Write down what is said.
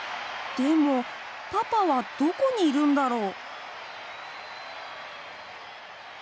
でもパパはどこにいるんだろう。